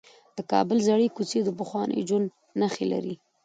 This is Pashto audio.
د کابل زړې کوڅې د پخواني ژوند نښې لري.